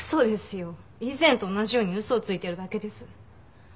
以前と同じように嘘をついてるだけです。